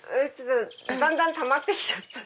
だんだんたまって来ちゃった。